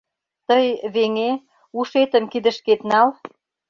Тый, веҥе, ушетым кидышкет нал.